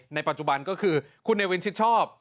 ในปัจจุบันก็คือคุณเนวินชิดชอบ